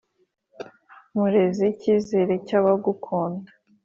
Murezi cyizere cy’abagukunda